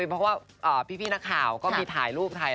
เพราะว่าพี่พี่นักข่าวพี่ถ่ายลูก